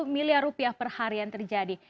lima puluh miliar rupiah per hari yang terjadi